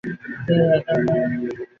তিনি রাধারমণ বলেই সমাধিক পরিচিত।